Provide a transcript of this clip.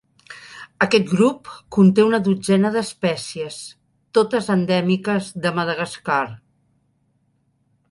Aquest grup conté una dotzena d'espècies, totes endèmiques de Madagascar.